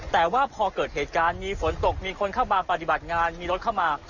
แต่ว่าพอเกิดเหตุการณ์มีฝนตกมีคนเข้ามาปฏิบัติงานมีรถเข้ามา